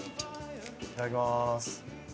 いただきます。